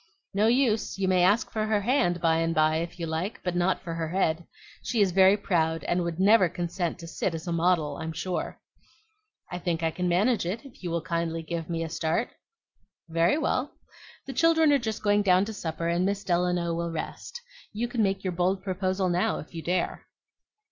"No use; you may ask for her hand by and by, if you like, but not for her head. She is very proud, and never would consent to sit as a model, I'm sure." "I think I can manage it, if you will kindly give me a start." "Very well. The children are just going down to supper, and Miss Delano will rest. You can make your bold proposal now, if you dare."